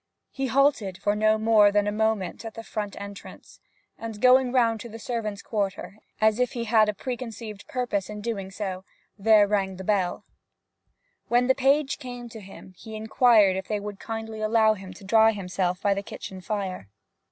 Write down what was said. He halted for no more than a moment at the front entrance, and going round to the servants' quarter, as if he had a preconceived purpose in so doing, there rang the bell. When a page came to him he inquired if they would kindly allow him to dry himself by the kitchen fire.